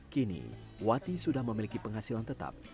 kini wati sudah memiliki penghasilan tetap